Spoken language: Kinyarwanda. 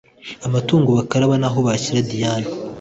amatungo bakaraba naho boshira Diane……